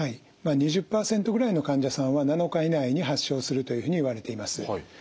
２０％ぐらいの患者さんは７日以内に発症するというふうにいわれています。